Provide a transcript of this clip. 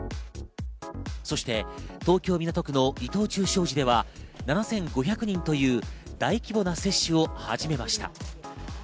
そして東京・港区の伊藤忠商事では、７５００人という大規模な接種を始めました。